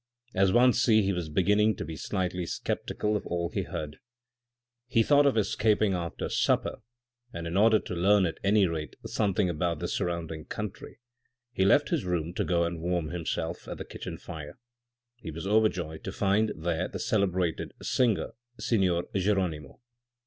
As one sees he was beginning to be slightly sceptical of all he heard. He thought of escaping after supper, and in order to learn at any rate something about the surrounding country, he left his room to go and warm himself at the kitchen fire. He was overjoyed to find there the celebrated singer, signor Geronimo.